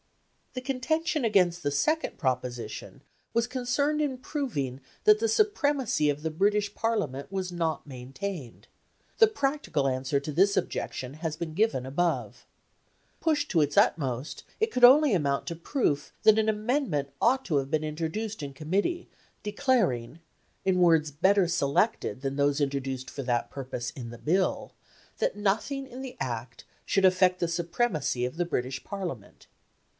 The contention against the second proposition was concerned in proving that the supremacy of the British Parliament was not maintained: the practical answer to this objection has been given above. Pushed to its utmost, it could only amount to proof that an amendment ought to have been introduced in Committee, declaring, in words better selected than those introduced for that purpose in the Bill, that nothing in the Act should affect the supremacy of the British Parliament.